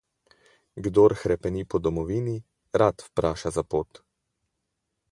Kdor hrepeni po domovini, rad vpraša za pot.